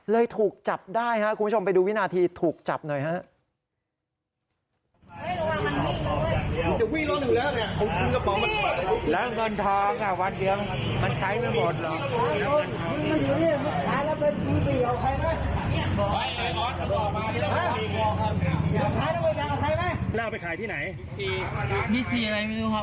ถูกจับได้ครับคุณผู้ชมไปดูวินาทีถูกจับหน่อยฮะ